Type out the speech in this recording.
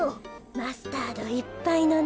マスタードいっぱいのね。